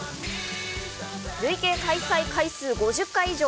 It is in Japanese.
累計開催回数５０回以上！